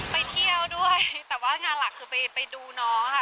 ไปเที่ยวด้วยแต่ว่างานหลักคือไปดูน้องค่ะ